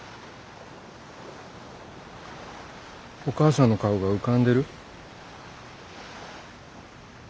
お母さんの顔が浮かんでる？